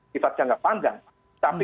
tifas jangka panjang tapi